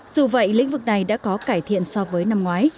dù vậy lĩnh vực này đã có cải thiện so với năm ngoái